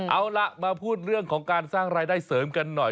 เอาล่ะมาพูดเรื่องของการสร้างรายได้เสริมกันหน่อย